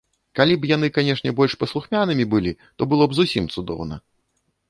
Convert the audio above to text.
Калі б яны, канешне, больш паслухмянымі былі, то было б зусім цудоўна.